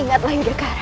ingatlah ida karam